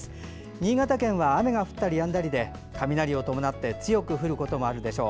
新潟県は雨が降ったりやんだりで雷を伴い強く降ることもあるでしょう。